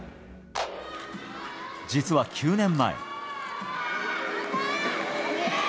実は９年前。